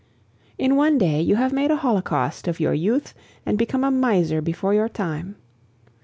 In one day you have made a holocaust of your youth and become a miser before your time.